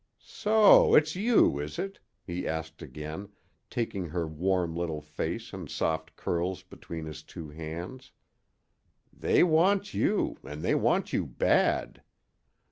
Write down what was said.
"So it's you, is it?" he asked again, taking her warm little face and soft curls between his two hands. "They want you, an' they want you bad.